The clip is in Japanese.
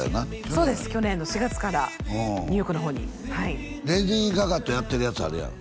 そうです去年の４月からニューヨークの方にはいレディー・ガガとやってるやつあるやん